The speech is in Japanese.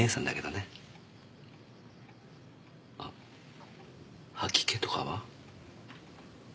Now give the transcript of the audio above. あ吐き気とかは？